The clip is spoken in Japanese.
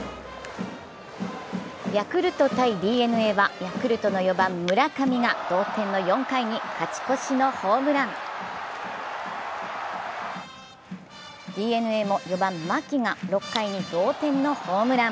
ヤクルト×ＤｅＮＡはヤクルトの４番・村上が同点の４回に勝ち越しのホームランＤｅＮＡも４番・牧が６回に同点のホームラン。